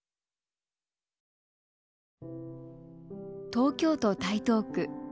東京都台東区。